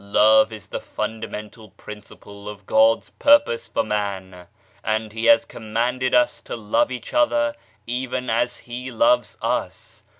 Love is the fundamental principle of God's purpose for man, and He has commanded us to love each other even as He loves us.